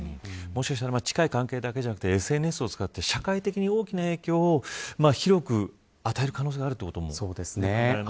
もしかしたら近い関係だけではなくてＳＮＳを使って社会的に大きな影響を広く与える可能性があるということも考え